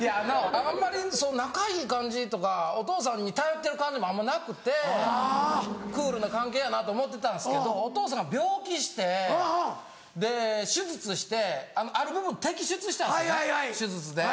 あんまり仲いい感じとかお父さんに頼ってる感じもあんまなくてクールな関係やなと思ってたんですけどお父さんが病気して手術してある部分摘出したんですね手術で。